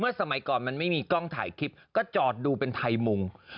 สมัยก่อนมันไม่มีกล้องถ่ายคลิปก็จอดดูเป็นไทยมุง